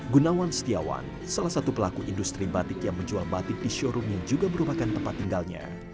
gunawan setiawan salah satu pelaku industri batik yang menjual batik di showroom yang juga merupakan tempat tinggalnya